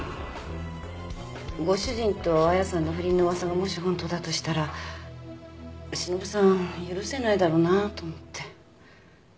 ご主人と亜矢さんの不倫の噂がもしホントだとしたらしのぶさん許せないだろうなあと思って。